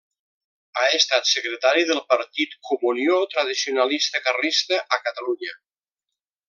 Ha estat secretari del partit Comunió Tradicionalista Carlista a Catalunya.